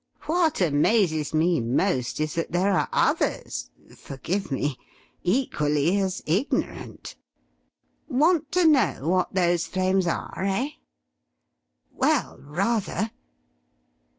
What amazes me most is that there are others forgive me equally as ignorant. Want to know what those flames are, eh?" "Well, rather!"